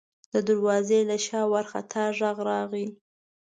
د دروازې له شا وارخطا غږ راغی: